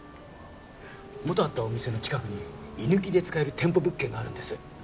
元あったお店の近くに居抜きで使える店舗物件があるんです。